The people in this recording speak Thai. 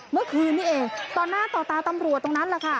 เมื่อคืนนี้เองตอนหน้าต่อตาตำรวจตรงนั้น